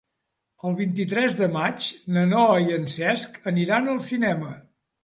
El vint-i-tres de maig na Noa i en Cesc aniran al cinema.